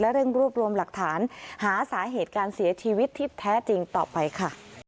เร่งรวบรวมหลักฐานหาสาเหตุการเสียชีวิตที่แท้จริงต่อไปค่ะ